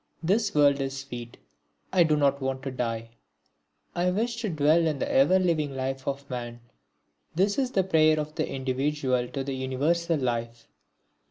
This world is sweet, I do not want to die. I wish to dwell in the ever living life of Man. This is the prayer of the individual to the universal life.